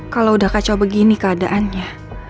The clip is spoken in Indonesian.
kalau udah kaca begini keadaannya